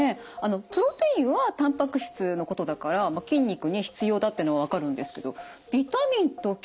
「プロテイン」はたんぱく質のことだから筋肉に必要だってのは分かるんですけどビタミンと筋肉は関係あるんですか？